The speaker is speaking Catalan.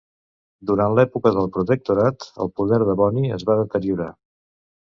Durant l'època del protectorat el poder de Bonny es va deteriorar.